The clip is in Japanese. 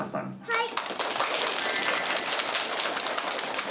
はい！